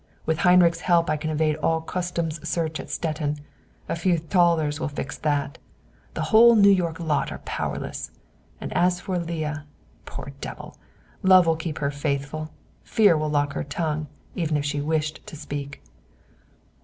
With Heinrich's help I can evade all customs' search at Stettin; a few thalers will fix that. The whole New York lot are powerless; and as for Leah, poor devil, love will keep her faithful, fear will lock her tongue, even if she wished to speak."